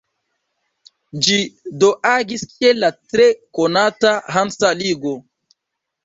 Ĝi do agis kiel la tre konata Hansa ligo.